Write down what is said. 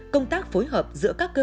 công tác phối hợp giữa các tổ chức